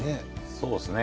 そうですね。